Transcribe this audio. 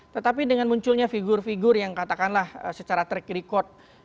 tetapi dengan munculnya figur figur yang katakanlah secara track record